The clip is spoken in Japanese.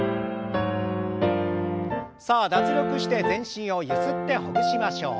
さあ脱力して全身をゆすってほぐしましょう。